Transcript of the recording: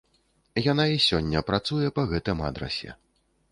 Яна і сёння працуе па гэтым адрасе.